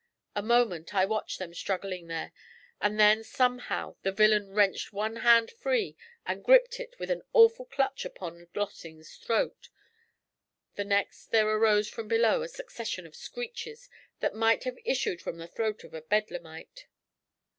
A moment I watched them struggling there, and then somehow the villain wrenched one hand free and gripped it with an awful clutch upon Lossing's throat; the next there arose from below a succession of screeches that might have issued from the throat of a bedlamite.